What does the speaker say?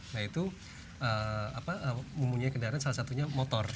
nah itu mempunyai kendaraan salah satunya motor